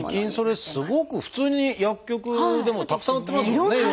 最近それすごく普通に薬局でもたくさん売ってますもんね。